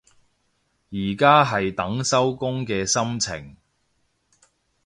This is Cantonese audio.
而家係等收工嘅心情